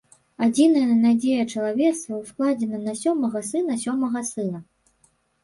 Адзіная надзея чалавецтва ўскладзена на сёмага сына сёмага сына.